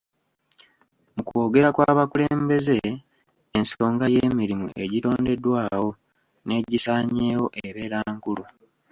Mu kwogera kw'abakulembeze ensonga y'emirimu egitondeddwawo n'egisaanyeewo ebeera nkulu.